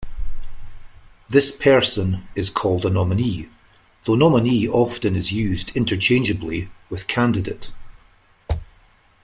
This person is called a "nominee", though nominee often is used interchangeably with "candidate".